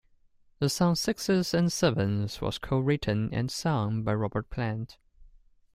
The song "Sixes and Sevens" was cowritten and sung by Robert Plant.